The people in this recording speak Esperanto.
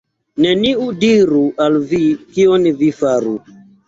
Neniu diru al vi, kion vi faru.